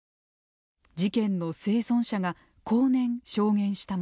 事件の生存者が後年証言したものです。